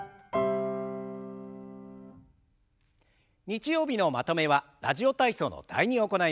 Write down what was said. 日曜日のまとめは「ラジオ体操」の「第２」を行います。